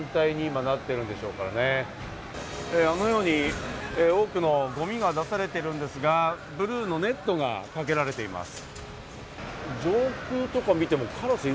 あのように多くのゴミが出されているんですが、ブルーのネットがかけられています。